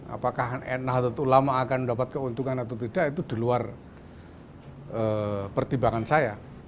apakah nahdlatul ulama akan mendapat keuntungan atau tidak itu di luar pertimbangan saya